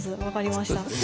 分かりました。